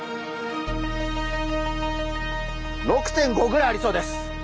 ６．５ぐらいありそうです。